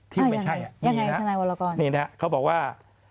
ที่ไม่ใช่อ่ายังไงนี้นะทางนายวัลกรรมนี่นะเขาบอกว่า